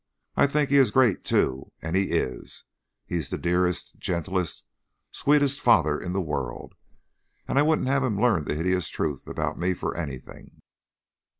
I think he is great, too, and he is. He is the dearest, gentlest, sweetest father in the world, and I wouldn't have him learn the hideous truth about me for anything."